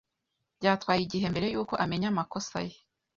Byatwaye igihe mbere yuko amenya amakosa ye.